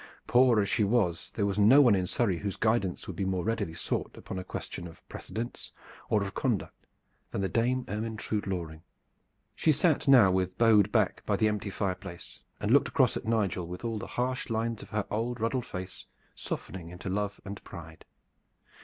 Poor as she was, there was no one in Surrey whose guidance would be more readily sought upon a question of precedence or of conduct than the Dame Ermyntrude Loring. She sat now with bowed back by the empty fireplace, and looked across at Nigel with all the harsh lines of her old ruddled face softening into love and pride.